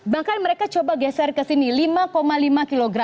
bahkan mereka coba geser ke sini lima lima kg